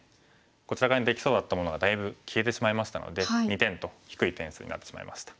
こちら側にできそうだったものがだいぶ消えてしまいましたので２点と低い点数になってしまいました。